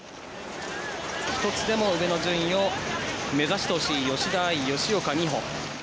１つでも上の順位を目指してほしい吉田愛、吉岡美帆。